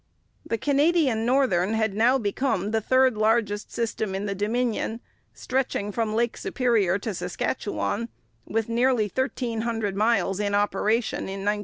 The Canadian Northern had now become the third largest system in the Dominion, stretching from Lake Superior to Saskatchewan, with nearly thirteen hundred miles in operation in 1902.